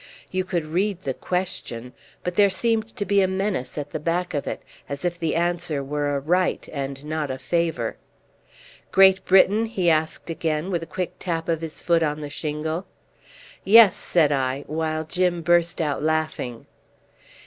You could read the question; but there seemed to be a menace at the back of it, as if the answer were a right and not a favour. "Great Britain?" he asked again, with a quick tap of his foot on the shingle. "Yes," said I, while Jim burst out laughing.